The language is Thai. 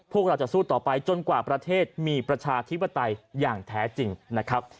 พวกเราจะสู้ต่อไปจนกว่าประเทศมีประชาธิปไตยอย่างแท้จริงนะครับ